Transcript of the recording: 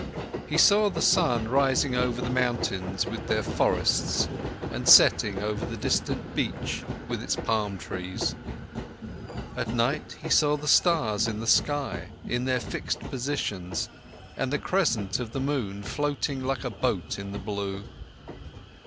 He saw the sun rising over the mountains with their forests and setting over the distant beach with its palm trees. At night, he saw the stars in the sky in their fixed positions and the crescent of the moon floating like a boat in the blue.